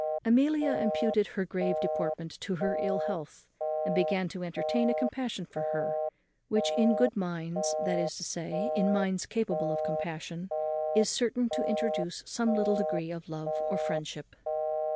In short, Amelia imputed her grave deportment to her ill health, and began to entertain a compassion for her, which in good minds, that is to say, in minds capable of compassion, is certain to introduce some little degree of love or friendship.